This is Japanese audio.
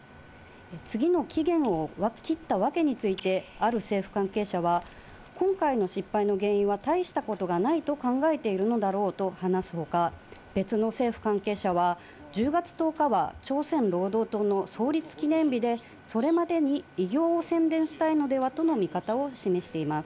次の期限を切った訳について、ある政府関係者は、今回の失敗の原因は大したことがないと考えているのだろうと話すほか、別の政府関係者は、１０月１０日は、朝鮮労働党の創立記念日で、それまでに偉業を宣伝したいのではとの見方を示しています。